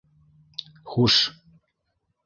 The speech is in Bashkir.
— Хуш.